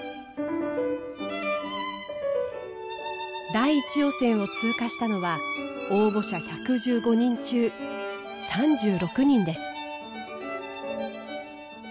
第１予選を通過したのは応募者１１５人中３６人です。